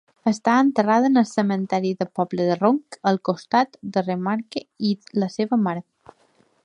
Està enterrada en el cementiri del poble de Ronc, al costat de Remarque i la seva mare.